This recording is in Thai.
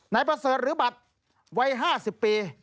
นายประเสริฐหรือบัตรวัย๕๐ปี